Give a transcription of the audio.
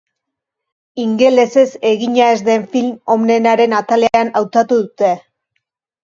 Ingelesez egina ez den film onenaren atalean hautatu dute.